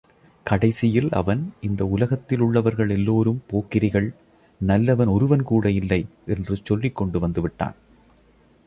கடைசியில் அவன், இந்த உலகத்திலுள்ளவர்கள் எல்லோரும் போக்கிரிகள், நல்லவன் ஒருவன்கூட இல்லை என்று சொல்லிக் கொண்டு வந்துவிட்டான்.